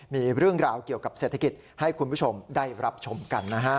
มีเรื่องราวเกี่ยวกับเศรษฐกิจให้คุณผู้ชมได้รับชมกันนะฮะ